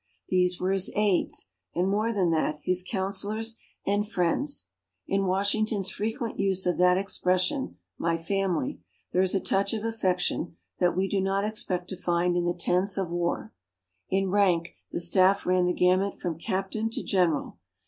These were his aides, and more than that, his counselors and friends. In Washington's frequent use of that expression, "my family," there is a touch of affection that we do not expect to find in the tents of war. In rank, the staff ran the gamut from captain to general.